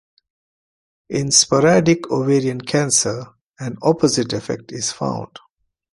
In sporadic ovarian cancer, an opposite effect is found.